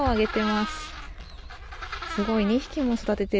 すごい！